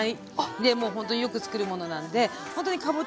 でもうほんとによくつくるものなんでほんとにかぼちゃのね